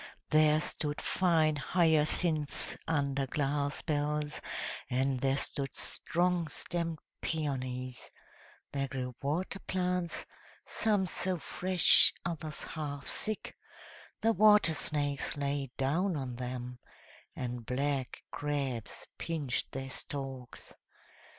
There stood fine hyacinths under glass bells, and there stood strong stemmed peonies; there grew water plants, some so fresh, others half sick, the water snakes lay down on them, and black crabs pinched their stalks.